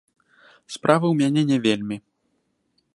Справы ў мяне не вельмі.